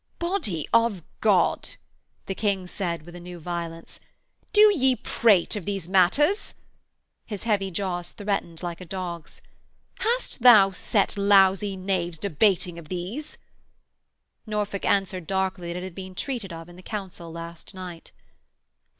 'Body of God,' the King said with a new violence: 'do ye prate of these matters?' His heavy jaws threatened like a dog's. 'Hast thou set lousy knaves debating of these?' Norfolk answered darkly that it had been treated of in the Council last night.